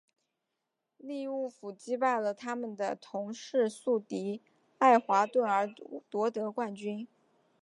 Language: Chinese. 利物浦击败了他们的同市宿敌爱华顿而夺得冠军。